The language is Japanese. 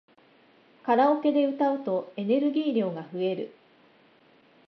カラオケで歌うとエネルギー量が増える